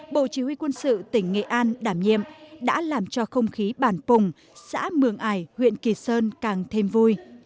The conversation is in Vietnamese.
bộ chỉ huy quân sự tỉnh nghệ an đảm nhiệm đã làm cho không khí bản pùng xã mường ải huyện kỳ sơn càng thêm vui